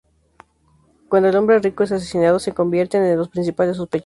Cuando el hombre rico es asesinado, se convierten en los principales sospechosos.